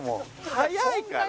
速いから。